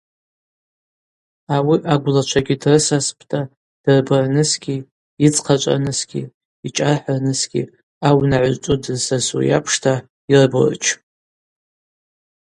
Ауи агвлачвагьи дрысаспӏта, дырбарнысгьи, йыдзхъачӏварнысгьи, йчӏархӏырнысгьи, аунагӏва зчӏву дызсасу йапшта, йырборчпӏ.